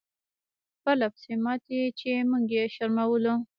پرله پسې ماتې چې موږ یې شرمولو.